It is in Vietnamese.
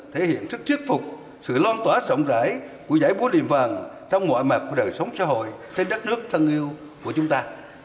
thể hiện sức chiết phục sự loan tỏa rộng rãi của giải bố liềm vàng trong mọi mặt của đời sống xã hội trên đất nước thân yêu của chúng ta